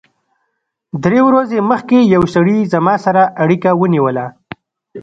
درې ورځې مخکې یو سړي زما سره اړیکه ونیوله